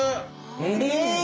うん！